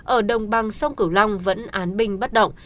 ở đồng bằng sông cửu long vẫn án binh bất động